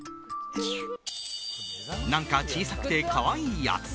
「なんか小さくてかわいいやつ」